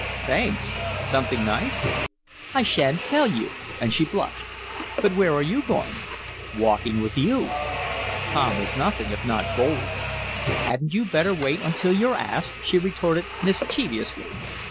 "Thanks! Something nice?" "I shan't tell you!" and she blushed. "But where are you going?" "Walking with you!" Tom was nothing if not bold. "Hadn't you better wait until you're asked?" she retorted, mischievously.